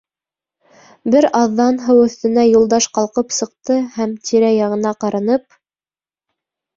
Бер аҙҙан һыу өҫтөнә Юлдаш ҡалҡып сыҡты һәм, тирә-яғына ҡаранып: